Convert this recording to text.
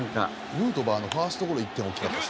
ヌートバーのファーストゴロ１点大きかったですね。